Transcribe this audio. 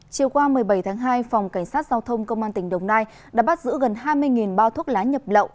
chiều qua một mươi bảy tháng hai phòng cảnh sát giao thông công an tỉnh đồng nai đã bắt giữ gần hai mươi bao thuốc lá nhập lậu